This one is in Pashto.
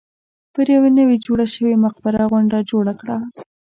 پر نوې جوړه شوې مقبره غونډه جوړه کړه.